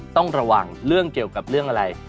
ต้องระวังเรื่องเกี่ยวกับเรื่องอะไร